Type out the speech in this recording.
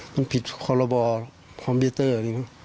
มันผิดคอลโลบอร์คอมพิวเตอร์